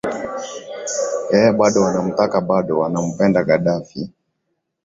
ee bado wanamtaka bado wanampenda gadaffi